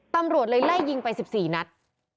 ตำรวจเลยไล่ยิงไป๑๔นัด